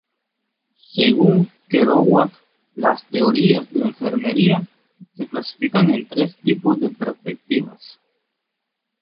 Según Kerouac, las teorías de enfermería se clasifican en tres tipos de perspectivas.